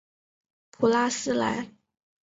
普拉斯莱。